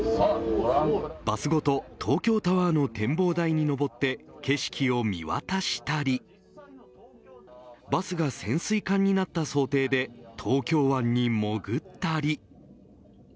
バスごと東京タワーの展望台に上って景色を見渡したりバスが潜水艦になった想定で東京湾に潜ったり。